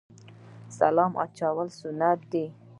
سلام اچول سنت دي